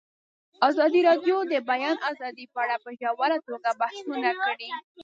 ازادي راډیو د د بیان آزادي په اړه په ژوره توګه بحثونه کړي.